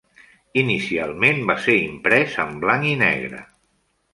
Inicialment va ser imprès en blanc i negre.